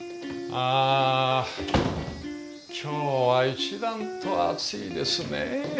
あ今日は一段と暑いですね。